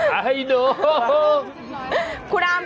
ไอ้น้อง